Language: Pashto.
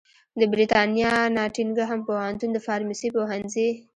د برېتانیا ناټینګهم پوهنتون د فارمیسي پوهنځي